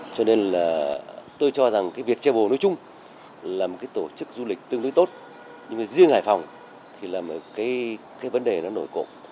cho nên tôi cho rằng viettravel nói chung là một tổ chức du lịch tương đối tốt nhưng riêng hải phòng thì là một vấn đề nổi cổ